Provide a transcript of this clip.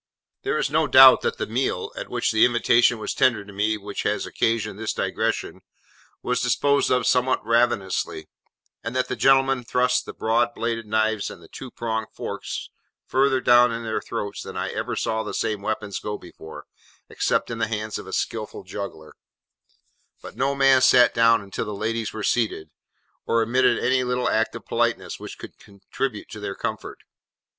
There is no doubt that the meal, at which the invitation was tendered to me which has occasioned this digression, was disposed of somewhat ravenously; and that the gentlemen thrust the broad bladed knives and the two pronged forks further down their throats than I ever saw the same weapons go before, except in the hands of a skilful juggler: but no man sat down until the ladies were seated; or omitted any little act of politeness which could contribute to their comfort.